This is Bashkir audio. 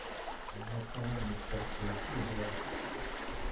Миңә оҡшамай Мидхәт кеүек ирҙәр.